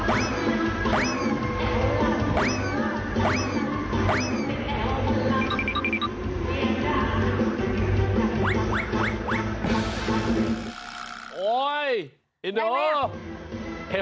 โอ้โหได้มั้ยฮะ